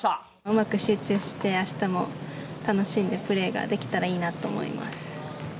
うまく集中してあしたも楽しんでプレーができたらいいなと思います。